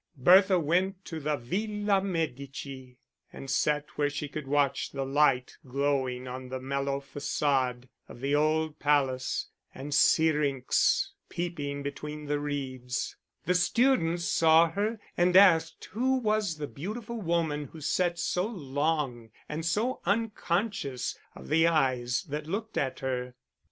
Bertha went to the Villa Medici and sat where she could watch the light glowing on the mellow façade of the old palace, and Syrinx peeping between the reeds: the students saw her and asked who was the beautiful woman who sat so long and so unconscious of the eyes that looked at her.